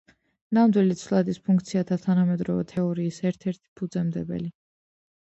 ნამდვილი ცვლადის ფუნქციათა თანამედროვე თეორიის ერთ-ერთი ფუძემდებელი.